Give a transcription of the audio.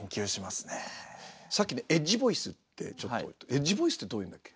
さっきねエッジボイスってちょっと「エッジボイス」ってどういうのだっけ？